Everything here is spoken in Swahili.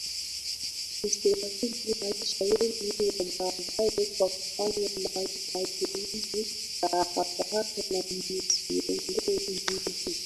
Msiharibu maisha yenu ya baadaye kwa kufanya mageuzi ya haraka haraka na msiondoe muundo